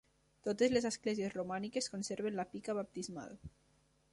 Totes les esglésies romàniques conserven la pica baptismal.